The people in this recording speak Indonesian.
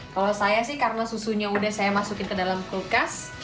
kalau saya sih karena susunya udah saya masukin ke dalam kulkas